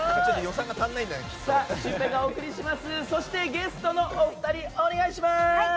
ゲストのお二人、お願いします。